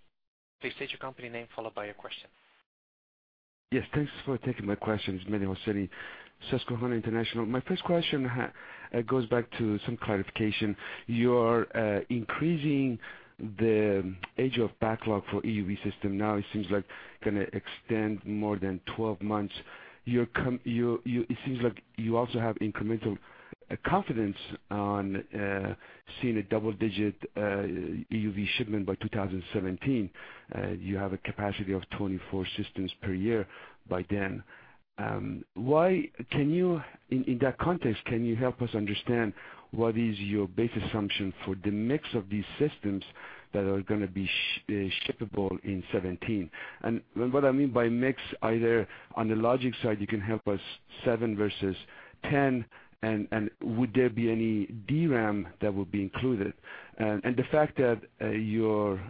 Please state your company name, followed by your question. Thanks for taking my questions. Mehdi Hosseini, Susquehanna International. My first question goes back to some clarification. You are increasing the age of backlog for EUV system. Now it seems like going to extend more than 12 months. It seems like you also have incremental confidence on seeing a double-digit EUV shipment by 2017. You have a capacity of 24 systems per year by then. In that context, can you help us understand what is your base assumption for the mix of these systems that are going to be shippable in 2017? What I mean by mix, either on the logic side, you can help us seven versus 10, and would there be any DRAM that would be included? The fact that your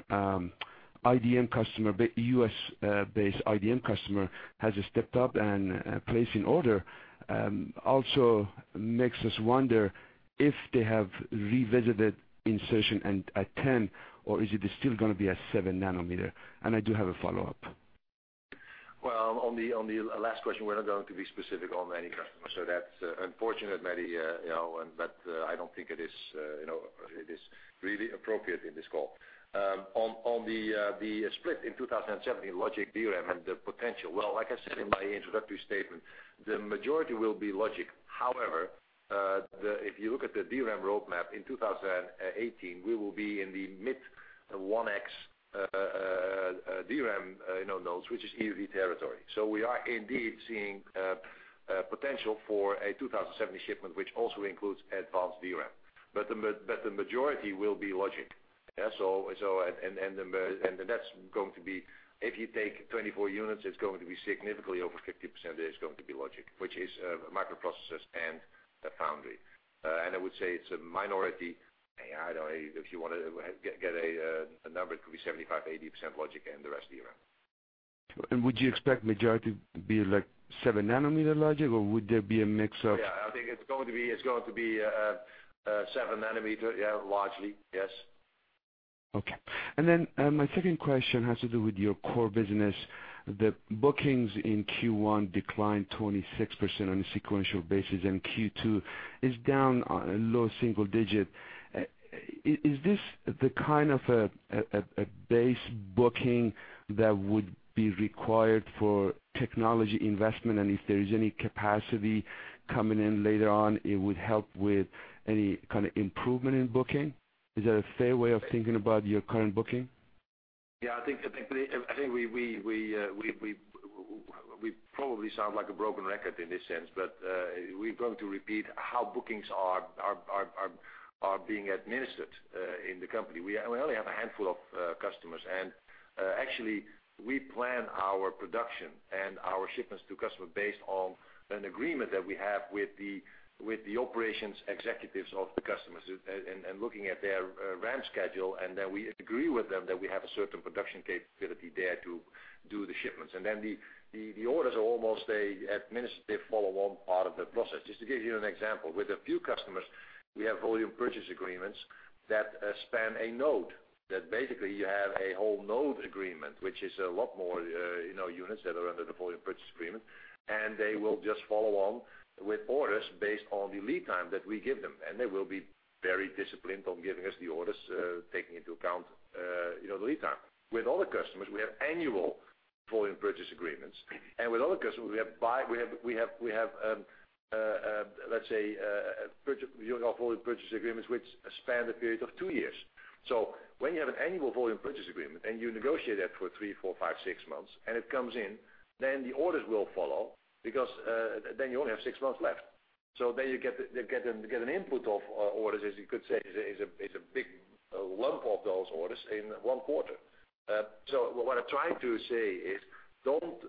U.S.-based IDM customer has stepped up and placed an order also makes us wonder if they have revisited insertion at 10, or is it still going to be at seven nanometer? I do have a follow-up. Well, on the last question, we're not going to be specific on any customer. That's unfortunate, Mehdi, but I don't think it is really appropriate in this call. On the split in 2017, logic DRAM and the potential. Well, like I said in my introductory statement, the majority will be logic. However, if you look at the DRAM roadmap, in 2018, we will be in the mid 1X DRAM nodes, which is EUV territory. We are indeed seeing potential for a 2017 shipment, which also includes advanced DRAM. The majority will be logic. That's going to be, if you take 24 units, it's going to be significantly over 50% is going to be logic, which is microprocessors and foundry. I would say it's a minority. If you want to get a number, it could be 75%-80% logic and the rest DRAM. Would you expect majority to be 7 nanometer logic, or would there be a mix of- Yeah, I think it's going to be 7 nanometer. Yeah, largely, yes. Okay. My second question has to do with your core business. The bookings in Q1 declined 26% on a sequential basis, and Q2 is down low single digit. Is this the kind of a base booking that would be required for technology investment? If there is any capacity coming in later on, it would help with any kind of improvement in booking? Is that a fair way of thinking about your current booking? I think we probably sound like a broken record in this sense, but we're going to repeat how bookings are being administered in the company. We only have a handful of customers. Actually, we plan our production and our shipments to customer based on an agreement that we have with the operations executives of the customers and looking at their ramp schedule. Then we agree with them that we have a certain production capability there to do the shipments. Then the orders are almost an administrative follow-on part of the process. Just to give you an example, with a few customers, we have volume purchase agreements that span a node. Basically, you have a whole node agreement, which is a lot more units that are under the volume purchase agreement. They will just follow on with orders based on the lead time that we give them, and they will be very disciplined on giving us the orders, taking into account the lead time. With other customers, we have annual volume purchase agreements. With other customers, we have, let's say, volume purchase agreements which span the period of two years. When you have an annual volume purchase agreement and you negotiate that for three, four, five, six months and it comes in, the orders will follow because then you only have six months left. Then you get an input of orders, as you could say, is a big lump of those orders in one quarter. What I'm trying to say is, don't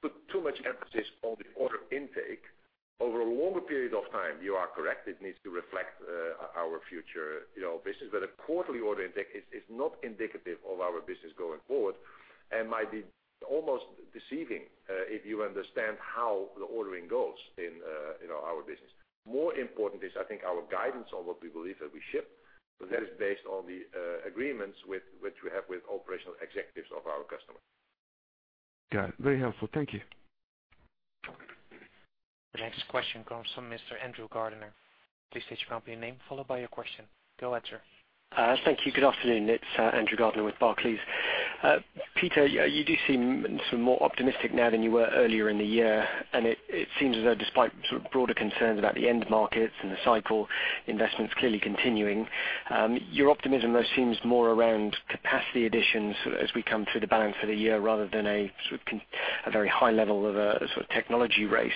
put too much emphasis on the order intake. Over a longer period of time, you are correct, it needs to reflect our future business. A quarterly order intake is not indicative of our business going forward and might be almost deceiving if you understand how the ordering goes in our business. More important is, I think, our guidance on what we believe that we ship. That is based on the agreements which we have with operational executives of our customer. Got it. Very helpful. Thank you. The next question comes from Mr. Andrew Gardiner. Please state your company name followed by your question. Go ahead, sir. Thank you. Good afternoon. It's Andrew Gardiner with Barclays. Peter, you do seem sort of more optimistic now than you were earlier in the year. It seems as though despite sort of broader concerns about the end markets and the cycle, investment's clearly continuing. Your optimism, though, seems more around capacity additions as we come to the balance of the year rather than a very high level of a sort of technology race.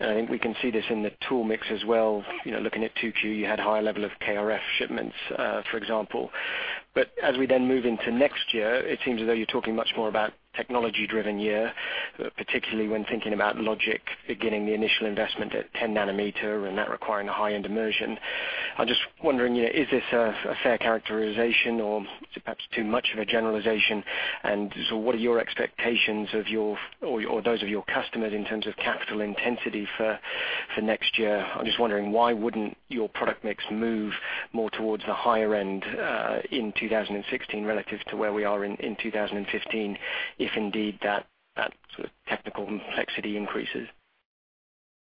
I think we can see this in the tool mix as well. Looking at 2Q, you had a higher level of KrF shipments, for example. As we then move into next year, it seems as though you're talking much more about technology-driven year, particularly when thinking about logic, beginning the initial investment at 10 nanometer and that requiring a high-end immersion. I'm just wondering, is this a fair characterization or is it perhaps too much of a generalization? What are your expectations of your, or those of your customers in terms of capital intensity for next year? I'm just wondering why wouldn't your product mix move more towards the higher end, in 2016 relative to where we are in 2015, if indeed that sort of technical complexity increases?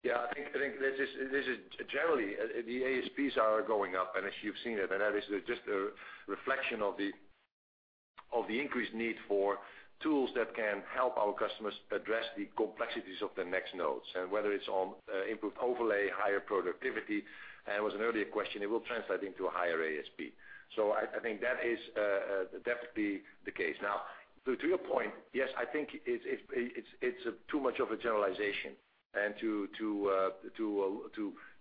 Yeah, I think this is generally, the ASPs are going up as you've seen it, that is just a reflection of the increased need for tools that can help our customers address the complexities of the next nodes. Whether it's on improved overlay, higher productivity, it was an earlier question, it will translate into a higher ASP. I think that is definitely the case. Now, to your point, yes, I think it's too much of a generalization and to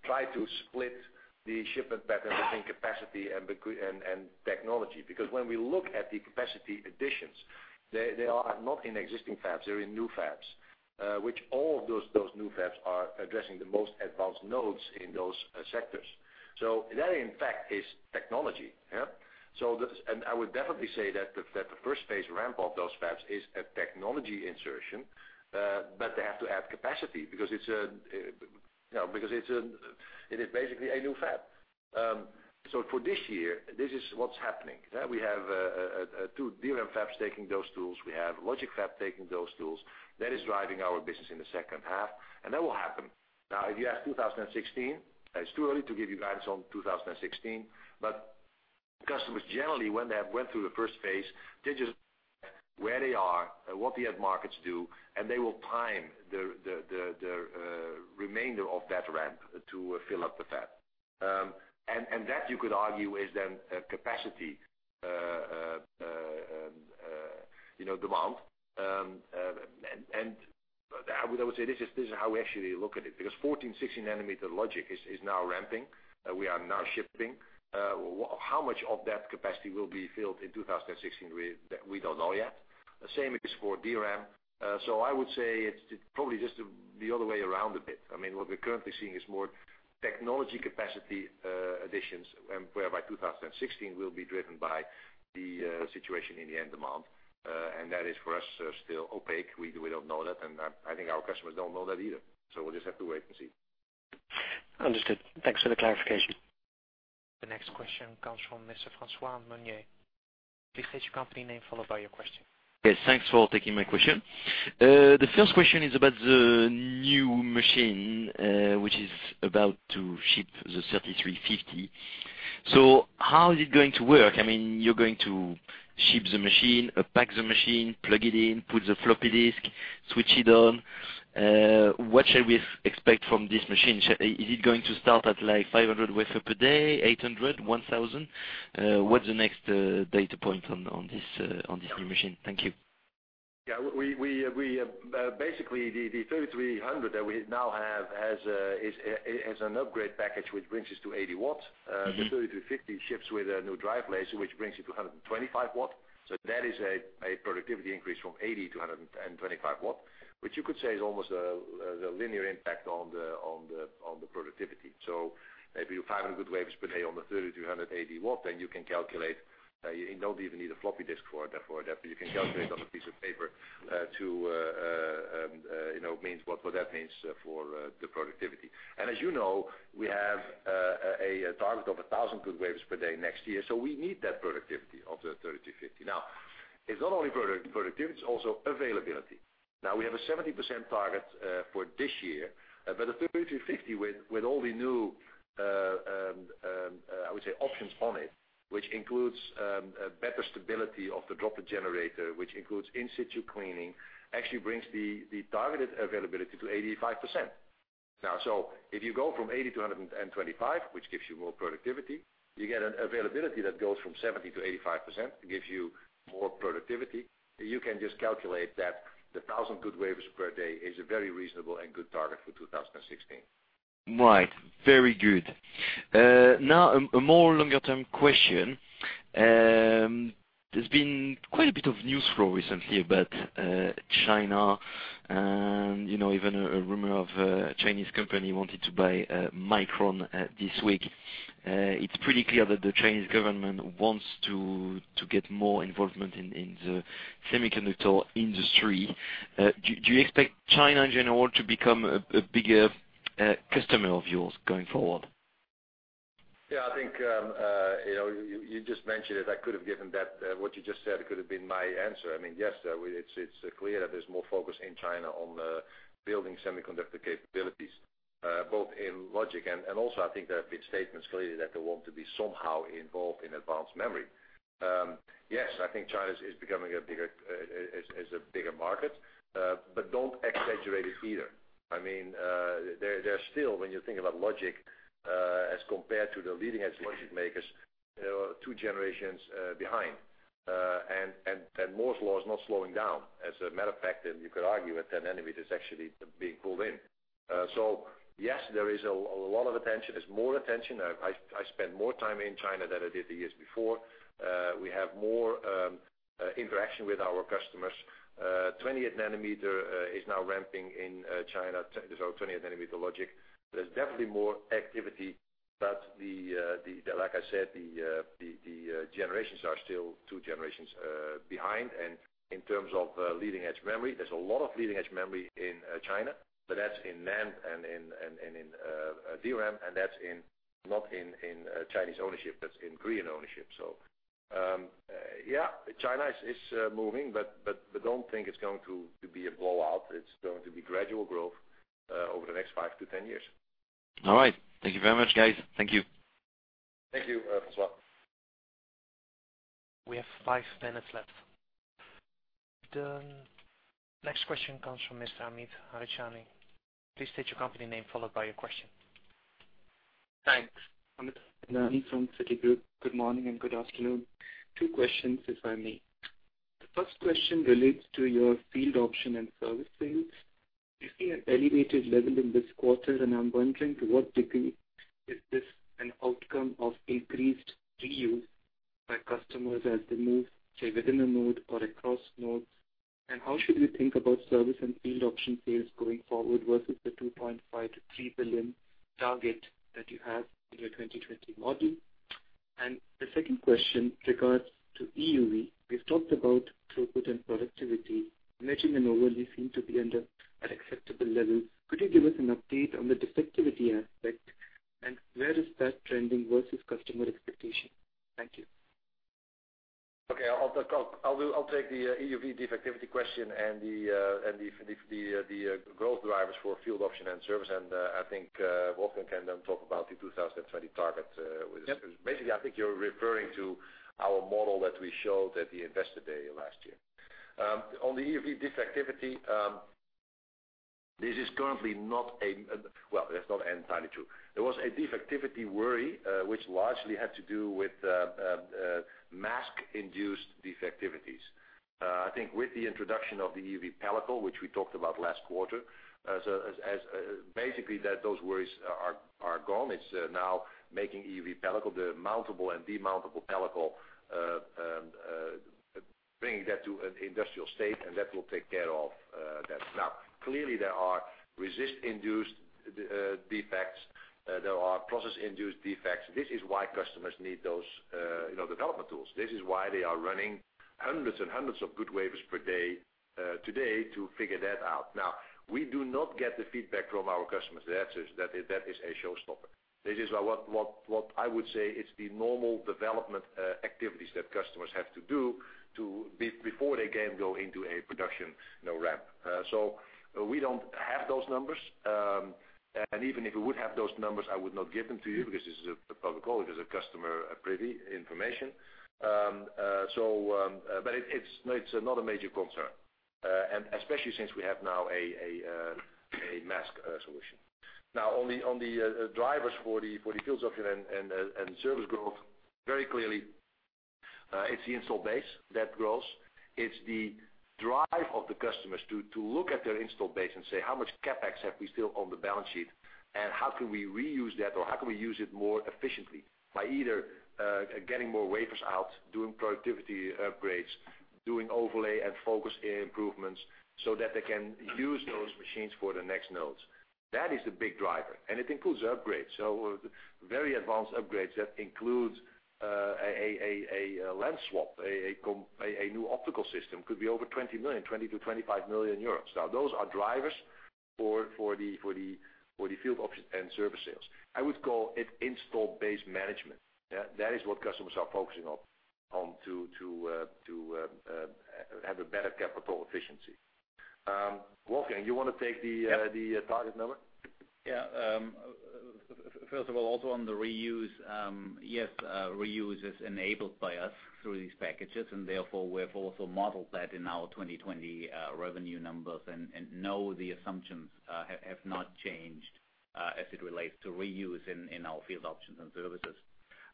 try to split the shipment patterns between capacity and technology. When we look at the capacity additions, they are not in existing fabs, they're in new fabs. Which all of those new fabs are addressing the most advanced nodes in those sectors. That in fact is technology. Yeah? I would definitely say that the first phase ramp of those fabs is a technology insertion, but they have to add capacity because it is basically a new fab. For this year, this is what's happening. We have two DRAM fabs taking those tools. We have logic fab taking those tools. That is driving our business in the second half, and that will happen. If you ask 2016, it's too early to give you guidance on 2016. Customers generally, when they have went through the first phase, they just Where they are, what the end markets do, and they will time the remainder of that ramp to fill up the fab. That you could argue is then capacity demand. I would say this is how we actually look at it, because 14, 16 nanometer logic is now ramping. We are now shipping. How much of that capacity will be filled in 2016? We don't know yet. The same is for DRAM. I would say it's probably just the other way around a bit. What we're currently seeing is more technology capacity additions, and whereby 2016 will be driven by the situation in the end demand. That is for us, still opaque. We don't know that, and I think our customers don't know that either. We'll just have to wait and see. Understood. Thanks for the clarification. The next question comes from Mr. François Monnier. Please state your company name, followed by your question. Okay. Thanks for taking my question. The first question is about the new machine, which is about to ship, the 3350. How is it going to work? You're going to ship the machine, unpack the machine, plug it in, put the floppy disk, switch it on. What shall we expect from this machine? Is it going to start at like 500 wafer per day, 800, 1,000? What's the next data point on this new machine? Thank you. Basically, the 3300 that we now have has an upgrade package, which brings us to 80 watts. The 3350 ships with a new drive laser, which brings you to 125 watt. That is a productivity increase from 80 to 125 watt. Which you could say is almost the linear impact on the productivity. Maybe 500 good wafers per day on the 3300, 80 watt, then you can calculate, you don't even need a floppy disk for that. You can calculate on a piece of paper what that means for the productivity. As you know, we have a target of 1,000 good wafers per day next year. We need that productivity of the 3350. It's not only productivity, it's also availability. We have a 70% target for this year. But the 3350 with all the new, I would say, options on it. Which includes better stability of the droplet generator, which includes in-situ cleaning, actually brings the targeted availability to 85%. If you go from 80 to 125, which gives you more productivity, you get an availability that goes from 70% to 85%, it gives you more productivity. You can just calculate that the 1,000 good wafers per day is a very reasonable and good target for 2016. Right. Very good. Now, a more longer term question. There's been quite a bit of news flow recently about China and even a rumor of a Chinese company wanting to buy Micron this week. It's pretty clear that the Chinese government wants to get more involvement in the semiconductor industry. Do you expect China in general to become a bigger customer of yours going forward? Yeah, I think, you just mentioned it. What you just said could have been my answer. Yes, it's clear that there's more focus in China on building semiconductor capabilities, both in logic and also I think there have been statements clearly that they want to be somehow involved in advanced memory. Yes, I think China is a bigger market. Don't exaggerate it either. They're still, when you think about logic, as compared to the leading edge logic makers, they are two generations behind. Moore's Law is not slowing down. As a matter of fact, you could argue at 10 nm, it is actually being pulled in. Yes, there is a lot of attention. There's more attention. I spent more time in China than I did the years before. We have more interaction with our customers. 20 nm is now ramping in China. There's our 20 nm logic. There's definitely more activity, but like I said, the generations are still two generations behind. In terms of leading-edge memory, there's a lot of leading-edge memory in China, but that's in NAND and in DRAM, and that's not in Chinese ownership, that's in Korean ownership. Yeah, China is moving, but don't think it's going to be a blowout. It's going to be gradual growth over the next five to 10 years. All right. Thank you very much, guys. Thank you. Thank you, François. We have five minutes left. The next question comes from Mr. Amit Harchandani. Please state your company name, followed by your question. Thanks. Amit Harchandani from Citigroup. Good morning, and good afternoon. Two questions, if I may. The first question relates to your field option and service sales. You see an elevated level in this quarter, and I'm wondering to what degree is this an outcome of increased reuse by customers as they move, say, within a node or across nodes. How should we think about service and field option sales going forward versus the 2.5 billion-3 billion target that you have in your 2020 model? The second question regards to EUV. We've talked about throughput and productivity. Matching and overlay seem to be under at acceptable levels. Could you give us an update on the defectivity aspect and where is that trending versus customer expectation? Thank you. Okay. I'll take the EUV defectivity question and the growth drivers for field option and service. I think Wolfgang can then talk about the 2020 target. Yep which basically, I think you're referring to our model that we showed at the Investor Day last year. On the EUV defectivity, this is currently not a, well, that's not entirely true. There was a defectivity worry, which largely had to do with mask-induced defectivities. I think with the introduction of the EUV pellicle, which we talked about last quarter, basically those worries are gone. It's now making EUV pellicle, the mountable and demountable pellicle, bringing that to an industrial state, and that will take care of that. Clearly there are resist-induced defects. There are process-induced defects. This is why customers need those development tools. This is why they are running hundreds and hundreds of good wafers per day today to figure that out. We do not get the feedback from our customers that says that is a showstopper. This is what I would say, it's the normal development activities that customers have to do before they can go into a production ramp. We don't have those numbers. Even if we would have those numbers, I would not give them to you because this is a public call. It is customer privy information. It's not a major concern, and especially since we have now a mask solution. On the drivers for the field option and service growth, very clearly, it's the install base that grows. It's the drive of the customers to look at their install base and say, "How much CapEx have we still on the balance sheet, and how can we reuse that, or how can we use it more efficiently by either getting more wafers out, doing productivity upgrades, doing overlay and focus improvements so that they can use those machines for the next nodes?" That is the big driver, and it includes upgrades. Very advanced upgrades that includes a lens swap, a new optical system could be over 20 million, 20 million-25 million euros. Those are drivers for the field option and service sales. I would call it install base management. That is what customers are focusing on to have a better capital efficiency. Wolfgang, you want to take the target number? Yeah. First of all, also on the reuse, yes, reuse is enabled by us through these packages, and therefore, we have also modeled that in our 2020 revenue numbers and know the assumptions have not changed as it relates to reuse in our field options and services.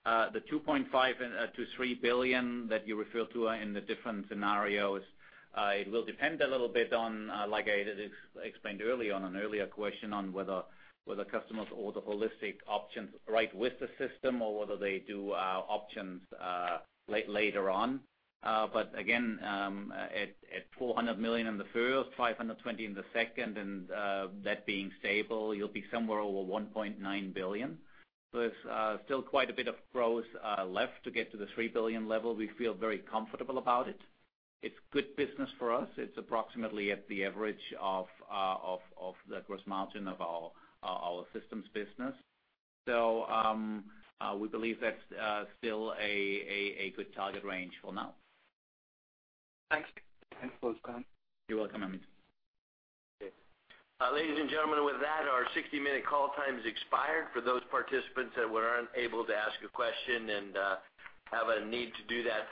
The 2.5 billion-3 billion that you refer to in the different scenarios, it will depend a little bit on, like I explained earlier on an earlier question, on whether customers order holistic options right with the system or whether they do options later on. Again, at 400 million in the first, 520 million in the second, and that being stable, you'll be somewhere over 1.9 billion. It's still quite a bit of growth left to get to the 3 billion level. We feel very comfortable about it. It's good business for us. It's approximately at the average of the gross margin of our systems business. We believe that's still a good target range for now. Thanks. Thanks, Wolfgang. You're welcome, Amit. Okay. Ladies and gentlemen, with that, our 60-minute call time is expired. For those participants that were unable to ask a question and have a need to do that,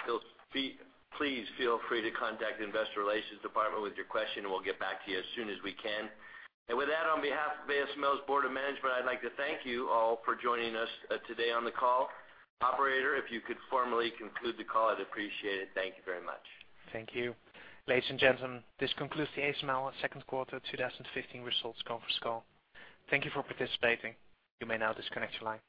please feel free to contact the investor relations department with your question, and we'll get back to you as soon as we can. With that, on behalf of ASML's Board of Management, I'd like to thank you all for joining us today on the call. Operator, if you could formally conclude the call, I'd appreciate it. Thank you very much. Thank you. Ladies and gentlemen, this concludes the ASML second quarter 2015 results conference call. Thank you for participating. You may now disconnect your line.